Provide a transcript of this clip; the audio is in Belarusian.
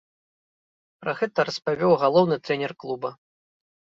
Пра гэта распавёў галоўны трэнер клуба.